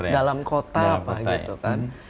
dalam kota pak gitu kan